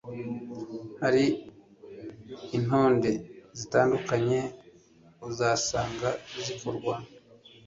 Hari intonde zitandukanye uzasanga zikorwa